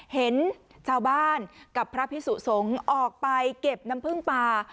เห็นชาวบ้านกับพระพิสุสงฆ์ออกไปเก็บน้ำพึ่งป่า